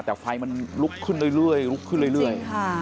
แต่ไฟลุกขึ้นเรื่อย